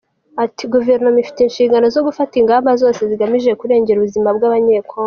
Ati “ Guverinoma ifite inshingano zo gufata ingamba zose zigamije kurengera ubuzima bw’abanye-Congo.